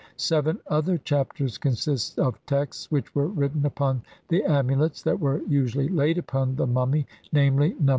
Seven other Chapters consist of texts which were written upon the amulets that were usually laid upon the mummy, namely Nos.